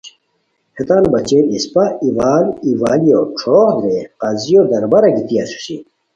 ہتے بچین اسپہ ایوال ایوالیو ݯھوغ درے قاضیو دربارا گیتی اسوسی